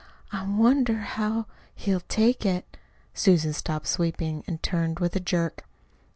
"I wonder how he'll take it." Susan stopped sweeping and turned with a jerk.